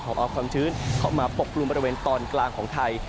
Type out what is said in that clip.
เอาความชื้นเข้ามาปกกลุ่มบริเวณตอนกลางของไทย